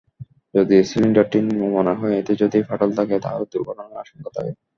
যদি সিলিন্ডারটি নিম্নমানের হয়, এতে যদি ফাটল থাকে, তাহলে দুর্ঘটনার আশঙ্কা থাকে।